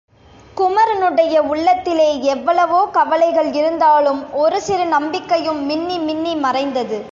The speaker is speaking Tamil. குமரனுடைய உள்ளத்திலே எவ்வளவோ கவலைகள் இருந்தாலும் ஒரு சிறு நம்பிக்கையும் மின்னி மின்னி மறைந்தது.